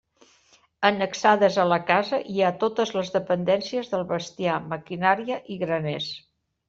Annexades a la casa hi ha totes les dependències del bestiar, maquinària i graners.